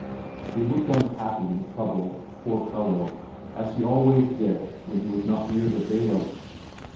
He looked unhappy and troubled, poor fellow, as he always did when he was not near the bailiff.